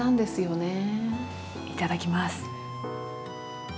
いただきます。